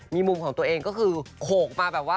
มีมุมของตัวเองก็คือโขกมาแบบว่า